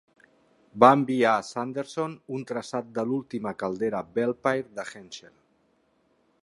Va enviar a Sanderson un traçat de l'última caldera Belpaire de Henschel.